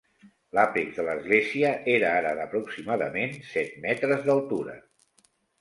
L'àpex de l'església era ara d'aproximadament set metres d'altura.